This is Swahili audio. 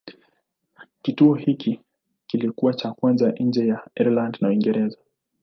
Kituo hiki kilikuwa cha kwanza nje ya Ireland na Uingereza.